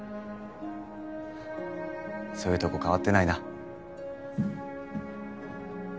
そういうとこ変わってないな。